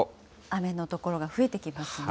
雨の所が増えてきますね。